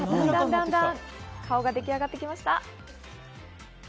だんだん顔が出来上がってきました。